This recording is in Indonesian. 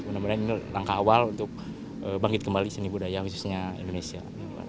mudah mudahan ini langkah awal untuk bangkit kembali seni budaya khususnya indonesia